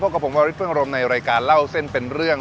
กับผมวาริสเฟิงอารมณ์ในรายการเล่าเส้นเป็นเรื่อง